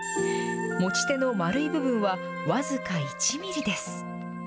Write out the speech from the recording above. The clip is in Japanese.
持ち手の丸い部分は僅か１ミリです。